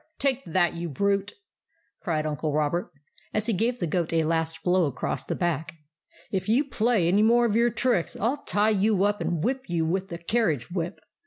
take that, you brute !" cried Uncle Robert, as he gave the goat a last blow across the back. " If you play any more of your tricks, I'll tie you up and whip you with the carriage whip."